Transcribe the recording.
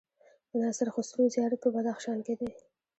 د ناصر خسرو زيارت په بدخشان کی دی